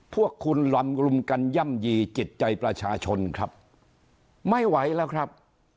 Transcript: พวกคุณลำรุมกันย่ำยีจิตใจประชาชนครับไม่ไหวแล้วครับ